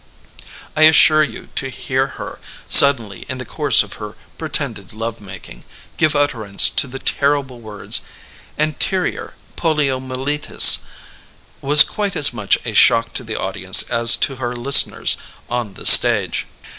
I as sure you to hear her, suddenly in the course of her pretended love making, give utterance to the terrible words, ''anterior poliomyelitis," was quite as much a shock to the audience as to her listeners on the stage.